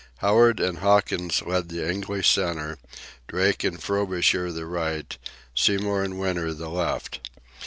Howard and Hawkins led the English centre, Drake and Frobisher the right, Seymour and Winter the left.